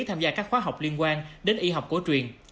tham gia các khóa học liên quan đến y học cổ truyền